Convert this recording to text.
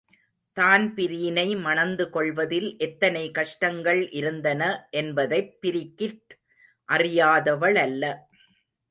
தான்பிரீனை மணந்து கொள்வதில் எத்தனை கஷ்டங்கள் இருந்தன என்பதைப் பிரிகிட் அறியாதவளல்ல.